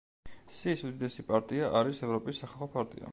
სიის უდიდესი პარტია არის ევროპის სახალხო პარტია.